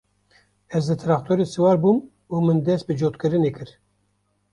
Ez li trextorê siwar bûm û min dest bi cotkirinê kir.